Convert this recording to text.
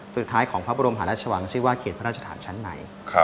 สุดท้ายของพระบรมหาราชวังซิว่าเขตพระราชฐานชั้นไหน